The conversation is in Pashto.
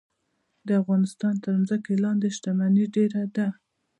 د افغانستان تر ځمکې لاندې شتمني ډیره ده